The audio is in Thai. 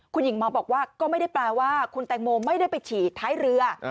คุณหญิงหมอบอกว่าก็ไม่ได้แปลว่าคุณแตงโมไม่ได้ไปฉี่ท้ายเรือ